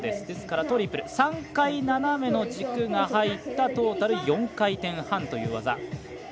ですからトリプル３回斜めの軸が入ったトータル４回転半という技。